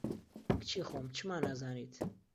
کچی خۆم، چما نازانیت